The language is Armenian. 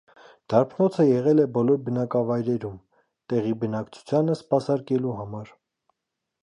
Դարբնոցը եղել է բոլոր բնակավայրերում՝ տեղի բնակչությանը սպասարկելու համար։